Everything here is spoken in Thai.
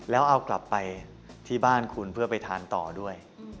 แล้วเอากลับไปที่บ้านคุณเพื่อไปทานต่อด้วย